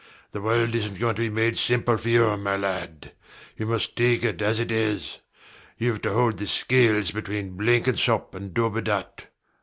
The world isnt going to be made simple for you, my lad: you must take it as it is. Youve to hold the scales between Blenkinsop and Dubedat.